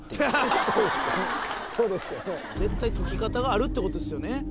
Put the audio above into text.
そうですよね絶対解き方があるってことですよね